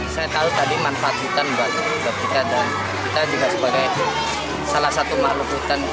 saya tahu tadi manfaat hutan buat kita dan kita juga sebagai salah satu makhluk hutan